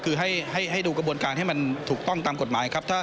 คือให้ดูกระบวนการให้มันถูกต้องตามกฎหมายครับ